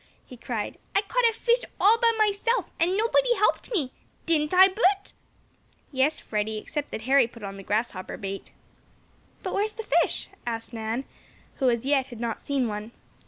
he cried. "I caught a fish all by myself, and nobody helped me. Didn't I, Bert?" "Yes, Freddie, except that Harry put on the grasshopper bait." "But where's the fish?" asked Nan, who, as yet, had not seen one.